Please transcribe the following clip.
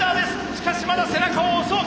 しかしまだ背中を押そう！